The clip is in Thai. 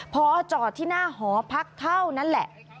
พอจอดที่หน้าหอพักเท่านั้นแหละ